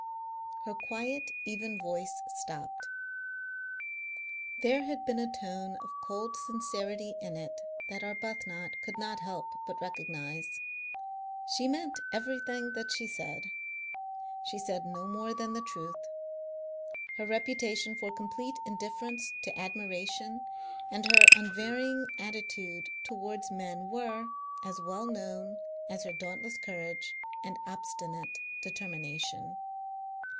Her quiet, even voice stopped. There had been a tone of cold sincerity in it that Arbuthnot could not help but recognise. She meant everything that she said. She said no more than the truth. Her reputation for complete indifference to admiration and her unvarying attitude towards men were as well known as her dauntless courage and obstinate determination.